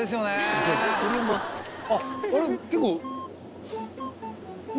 あっこれ結構。